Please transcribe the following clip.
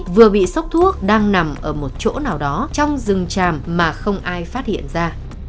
vừa bị sốc thuốc đang nằm ở một chỗ nào đó trong rừng tràm mà không ai phát hiện ra